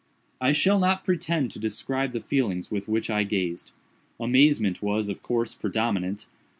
I shall not pretend to describe the feelings with which I gazed. Amazement was, of course, predominant.